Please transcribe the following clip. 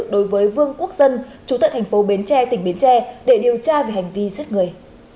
đối với vương quốc dân chú tại thành phố bến tre tỉnh bến tre để điều tra về hành vi giết người